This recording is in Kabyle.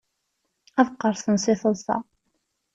Ad qqerṣen si teḍsa.